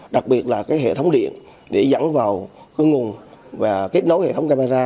đặc biệt là hệ thống điện để dẫn vào nguồn và kết nối hệ thống camera